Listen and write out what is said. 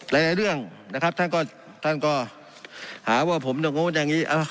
ในเรื่องนะครับท่านก็ท่านก็หาว่าผมจะโง่นอย่างงี้อ่า